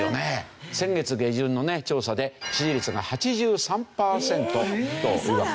先月下旬のね調査で支持率が８３パーセントというわけで。